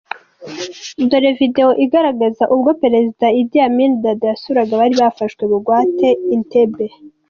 Dore video igaragaza ubwo Perezida Idi Amin Dada yasuraga abari bafashwe bugwate i Entebbe